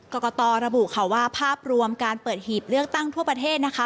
กรกตระบุค่ะว่าภาพรวมการเปิดหีบเลือกตั้งทั่วประเทศนะคะ